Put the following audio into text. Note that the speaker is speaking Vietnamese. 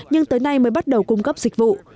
nhưng tới nay mới bắt đầu cung cấp dịch vụ